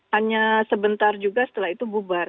hanya sebentar juga setelah itu bubar